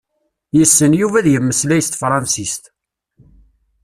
Yessen Yuba ad yemmeslay s tefransist.